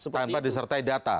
tanpa disertai data